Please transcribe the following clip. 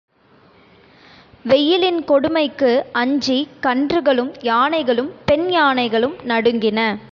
வெய்யிலின் கொடுமைக்கு அஞ்சிக் கன்றுகளும், யானைகளும், பெண் யானைகளும் நடுங்கின.